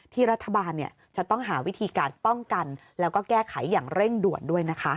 ที่รัฐบาลจะต้องหาวิธีการป้องกันแล้วก็แก้ไขอย่างเร่งด่วนด้วยนะคะ